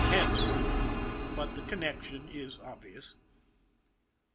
Hence but the connection is obvious.